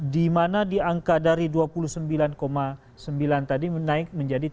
di mana di angka dari dua puluh sembilan sembilan tadi menaik menjadi tiga puluh